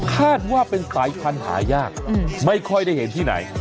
คาดว่าเป็นสายพันธุ์หายากไม่ค่อยได้เห็นที่ไหน